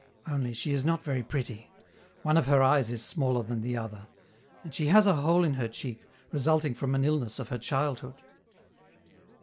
Only, she is not very pretty: one of her eyes is smaller than the other, and she has a hole in her cheek, resulting from an illness of her childhood."